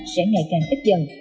sẽ ngày càng tích dần